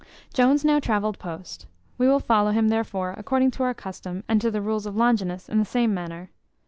Jones now travelled post; we will follow him, therefore, according to our custom, and to the rules of Longinus, in the same manner.